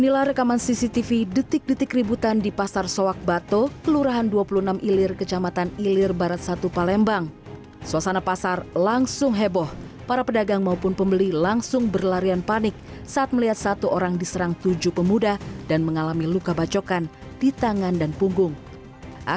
sampai jumpa di video selanjutnya